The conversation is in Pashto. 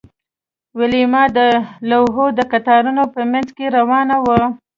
ویلما د لوحو د قطارونو په مینځ کې روانه وه